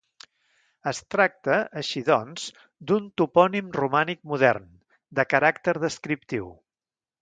Es tracta, així, doncs, d'un topònim romànic modern, de caràcter descriptiu.